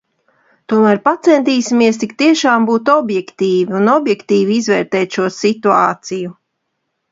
Tomēr pacentīsimies tik tiešām būt objektīvi un objektīvi izvērtēt šo situāciju!